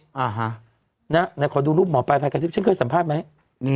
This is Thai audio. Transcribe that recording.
อ่าฮะนะไหนขอดูรูปหมอปลายพายกระซิบฉันเคยสัมภาพไหมอืม